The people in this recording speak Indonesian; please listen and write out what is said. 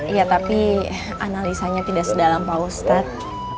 iya tapi analisanya tidak sedalam pak ustadz